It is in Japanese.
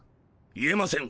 言えません。